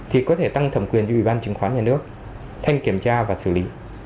thì có thể tăng thẩm quyền cho ủy ban chứng khoán nhà nước thanh kiểm tra và xử lý